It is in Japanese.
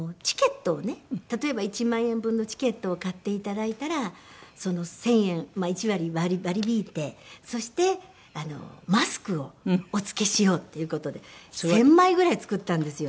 例えば１万円分のチケットを買っていただいたらその１０００円１割割り引いてそしてマスクをお付けしようっていう事で１０００枚ぐらい作ったんですよ。